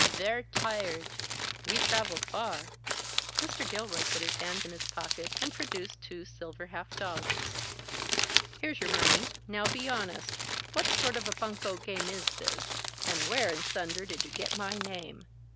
"Ver' tired. We travel far." Mr. Gilroy put his hand in his pocket and produced two silver half dollars. "Here's your money. Now be honest! What sort of a bunco game is this? And where in thunder did you get my name?"